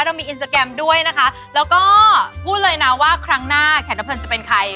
เรามีอินสตราแกรมด้วยนะคะแล้วก็พูดเลยนะว่าครั้งหน้าแขกรับเพลินจะเป็นใคร